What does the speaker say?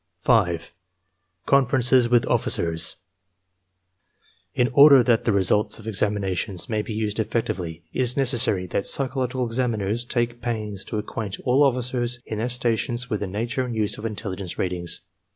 EXAMINER'S GUIDE 49 5. CONFERENCES WITH OFFICERS In order that the results of examinations may be used effec tively, it is necessary that psychological examiners take pains to acquaint all officers in their stations with the nature and uses of intelligence ratings.